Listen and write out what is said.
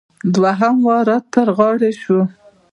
دوهم وار را تر غاړې شو.